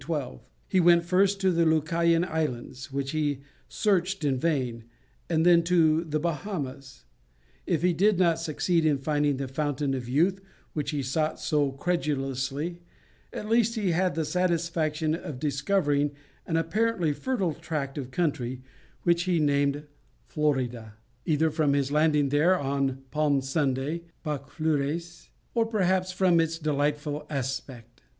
He went first to the Lucayan Islands, which he searched in vain, and then to the Bahamas. If he did not succeed in finding the fountain of youth which he sought so credulously, at least he had the satisfaction of discovering an apparently fertile tract of country, which he named Florida, either from his landing there on Palm Sunday, (Pâques Fleuries), or perhaps from its delightful aspect.